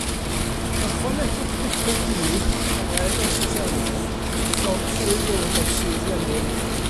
Ychwanegwch bupur du, halen os oes angen, a llond llwy fwrdd o sudd lemwn.